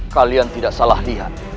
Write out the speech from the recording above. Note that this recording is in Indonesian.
kalian tidak salah lihat